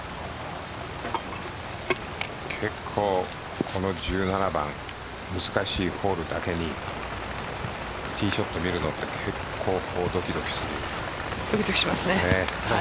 結構この１７番難しいホールだけにティーショットを見るのって結構ドキドキする。